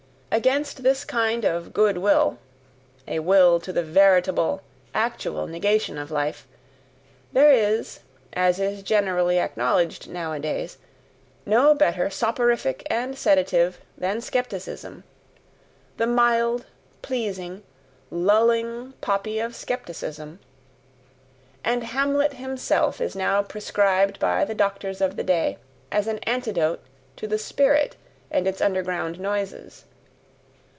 Against this kind of "good will" a will to the veritable, actual negation of life there is, as is generally acknowledged nowadays, no better soporific and sedative than skepticism, the mild, pleasing, lulling poppy of skepticism; and Hamlet himself is now prescribed by the doctors of the day as an antidote to the "spirit," and its underground noises.